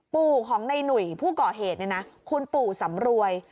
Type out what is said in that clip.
ปู่ของในหนุ่ยผู้ก่อเหตุเนี่ยนะคุณปู่สำรวย